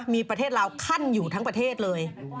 มีประเทศลาวขั้นอยู่ทั้งประเทศเลย